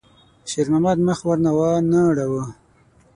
شېرمحمد مخ ور وانه ړاوه.